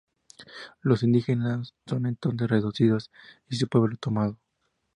Los indígenas son entonces reducidos y su pueblo tomado.